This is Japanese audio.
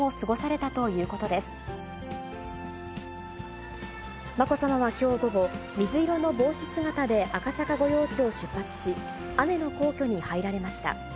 まこさまはきょう午後、水色の帽子姿で赤坂御用地を出発し、雨の皇居に入られました。